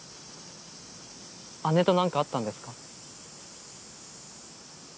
姉と何かあったんですか？